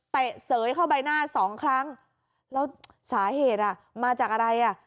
เสยเข้าใบหน้าสองครั้งแล้วสาเหตุอ่ะมาจากอะไรอ่ะ